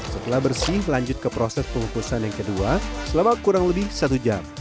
setelah bersih lanjut ke proses pengukusan yang kedua selama kurang lebih satu jam